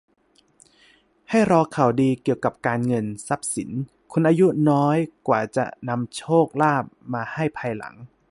ให้รอข่าวดีเกี่ยวกับการเงิน ทรัพย์สิน คนอายุน้อยกว่าจะนำโชคลาภมาให้ภายหลัง